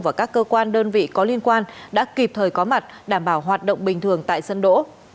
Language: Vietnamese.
và các cơ quan đơn vị có liên quan đã kịp thời có mặt đảm bảo hoạt động bình thường tại sân đỗ